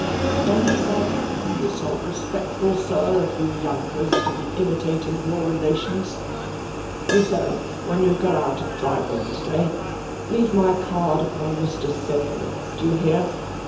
Then he said, "It's not respectful, sir, of you younkers to be imitating of your relations. Miss O., when you go out adriving to day, leave my card upon Mr. Sedley, do you hear?